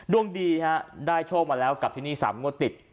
ดวงดีฮะได้โชคมาแล้วกับที่นี่๓งวดติด